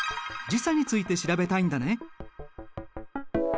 時差について調べたいんだね。